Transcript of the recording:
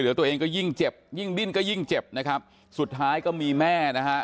ติดเตียงได้ยินเสียงลูกสาวต้องโทรศัพท์ไปหาคนมาช่วย